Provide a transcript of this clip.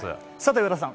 上田さん